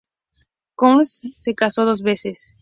Cort se casó dos veces.